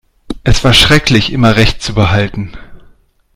Es war schrecklich, immer Recht zu behalten.